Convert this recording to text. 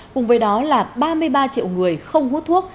cùng với đó là ba mươi ba triệu người không hút thuốc